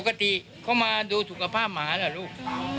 ปกติเขามาดูสุขภาพหมาเหรอลูก